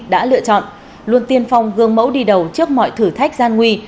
đã lựa chọn luôn tiên phong gương mẫu đi đầu trước mọi thử thách gian nguy